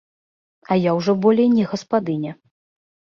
А я ўжо болей не гаспадыня.